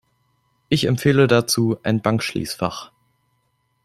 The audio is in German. Ich empfehle dazu ein Bankschließfach.